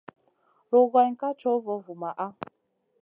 Rugayn ká co vo vumaʼa.